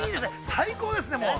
最高ですね、もう。